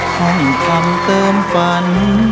ของมหัสเติมฝัน